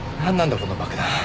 この爆弾。